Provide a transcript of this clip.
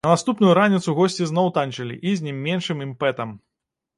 На наступную раніцу госці зноў танчылі, і з не меншым імпэтам!